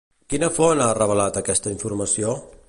Quina font ha revelat aquesta informació?